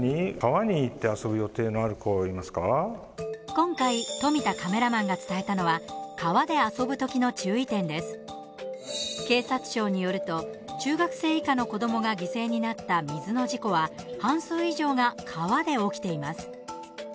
今回富田カメラマンが伝えたのは警察庁によると中学生以下の子どもが犠牲になった水の事故は半数以上が川で起きています。